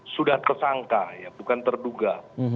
sudah tersangka bukan terduga